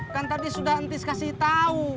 kan tadi sudah entis kasih tahu